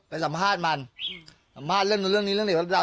สัมภาษณ์มันสัมภาษณ์เรื่องนู้นเรื่องนี้เรื่องเด็กวัดดาว